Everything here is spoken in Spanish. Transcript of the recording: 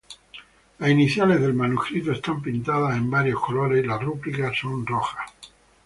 Las iniciales del manuscrito están pintados en varios colores y las rúbricas son rojas.